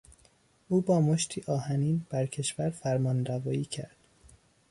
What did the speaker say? او با مشتی آهنین بر کشور فرمانروایی کرد.